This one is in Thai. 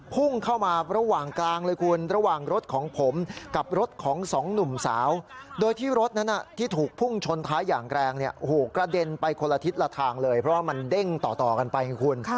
พุ่งเข้ามาระหว่างกลางเลยคุณ